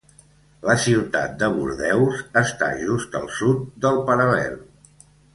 La ciutat de Bordeus està just al sud del paral·lel.